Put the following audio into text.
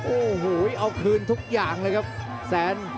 โอ้โหเอาคืนทุกอย่างเลยครับแสน